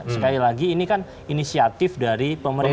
sekali lagi ini kan inisiatif dari pemerintah